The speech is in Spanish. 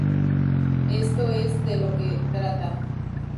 Eso es de lo que trata.